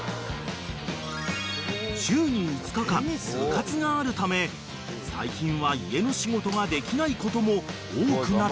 ［週に５日間部活があるため最近は家の仕事ができないことも多くなったという］